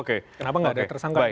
kenapa nggak ada tersangka